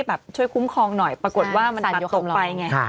ไปคุ้มครองหน่อยปรากฏว่ามันปัดตกไปไง